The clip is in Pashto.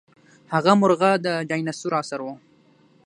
هغه مرغه د ډاینسور عصر وو.